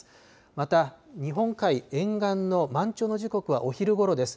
また日本海沿岸の満潮の時刻はお昼ごろです。